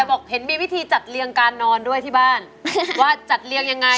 บอกเห็นมีวิธีจัดเรียงการนอนด้วยที่บ้านว่าจัดเรียงยังไง